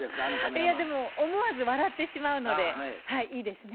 いやでも思わず笑ってしまうのでいいですね